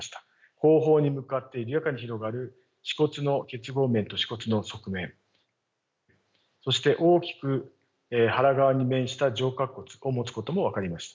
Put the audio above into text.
後方に向かって緩やかに広がる歯骨の結合面と歯骨の側面そして大きく腹側に面した上角骨を持つことも分かりました。